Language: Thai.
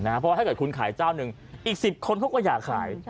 เพราะว่าถ้าเกิดคุณขายเจ้าหนึ่งอีก๑๐คนเขาก็อยากขาย